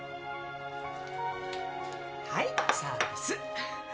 はいサービス。